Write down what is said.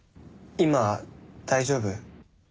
今大丈夫？